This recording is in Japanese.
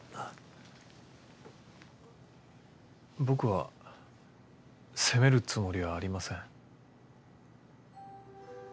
僕は責めるつもりはありません。